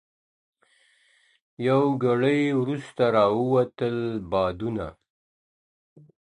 یو ګړی وروسته را والوتل بادونه.